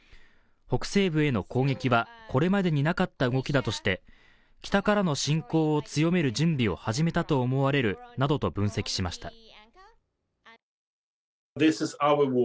北西部への攻撃はこれまでになかった動き出して、北からの侵攻を強める準備を始めたと思われるなどと分析しました。